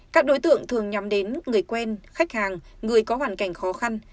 các đối tượng thường nhắm đến người quen khách hàng người có hoàn cảnh khó khăn